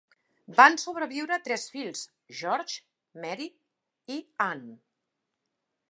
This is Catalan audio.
Van sobreviure tres fills: George, Mary i Anne.